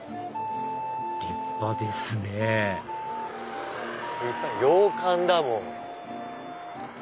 立派ですね洋館だもん。